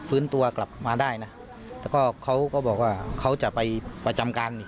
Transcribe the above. ฟื้นตัวกลับมาได้นะแล้วก็เขาก็บอกว่าเขาจะไปประจำการนี่